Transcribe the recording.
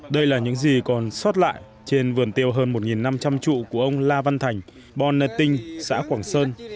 đây là những gì còn sót lại trên vườn tiêu hơn một năm trăm linh trụ của ông la văn thành bonnetting xã quảng sơn